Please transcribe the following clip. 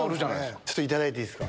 ちょっと頂いていいですか？